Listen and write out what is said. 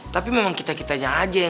tapi memang kita kita aja yang